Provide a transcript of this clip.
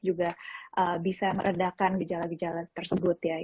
juga bisa meredakan gejala gejala tersebut ya